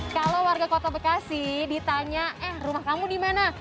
kalau warga kota bekasi ditanya eh rumah kamu dimana